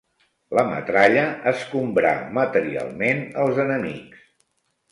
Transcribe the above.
La metralla escombrà materialment els enemics.